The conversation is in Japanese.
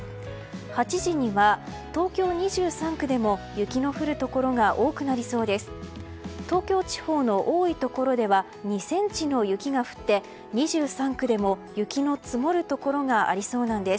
８時には東京２３区でも雪の降るところが多くなりそうです。